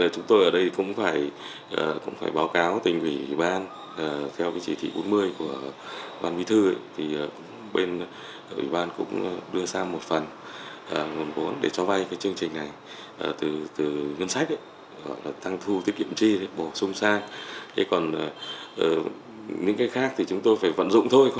còn những cái khác thì chúng tôi phải vận dụng thôi